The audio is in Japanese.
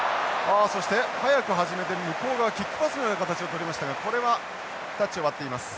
そして早く始めて向こう側キックパスのような形を取りましたがこれはタッチを割っています。